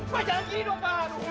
pak jalan ini dong pak